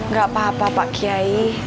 gak apa apa pak kiai